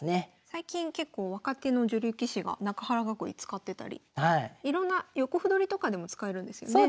最近結構若手の女流棋士が中原囲い使ってたりいろんな横歩取りとかでも使えるんですよね。